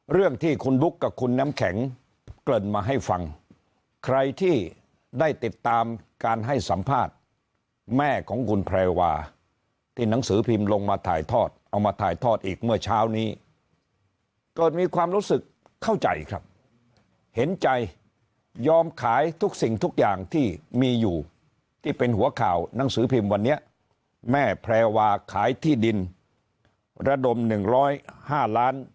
เรื่องที่คุณบุ๊คกับคุณน้ำแข็งเกริ่นมาให้ฟังใครที่ได้ติดตามการให้สัมภาษณ์แม่ของคุณแพรวาที่หนังสือพิมพ์ลงมาถ่ายทอดเอามาถ่ายทอดอีกเมื่อเช้านี้เกิดมีความรู้สึกเข้าใจครับเห็นใจยอมขายทุกสิ่งทุกอย่างที่มีอยู่ที่เป็นหัวข่าวหนังสือพิมพ์วันนี้แม่แพรวาขายที่ดินระดม๑๐๕ล้าน